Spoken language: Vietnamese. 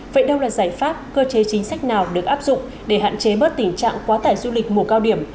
vậy đâu là giải pháp cơ chế chính sách nào được áp dụng để hạn chế bớt tình trạng quá tải du lịch mùa cao điểm